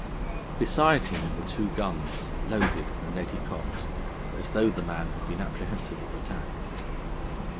Beside him were two guns, loaded and ready cocked, as though the man had been apprehensive of attack.